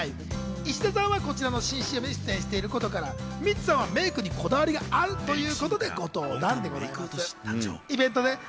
石田さんはこちらの新ＣＭに出演していることからミッツさん、メイクにこだわりがあるということで、ご登壇でございます。